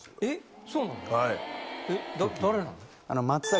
えっ！